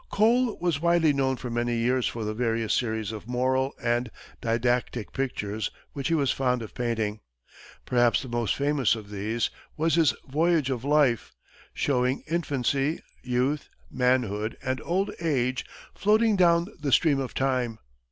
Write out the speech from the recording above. Cole was widely known for many years for the various series of moral and didactic pictures which he was fond of painting. Perhaps the most famous of these was his "Voyage of Life," showing infancy, youth, manhood, and old age floating down the stream of time.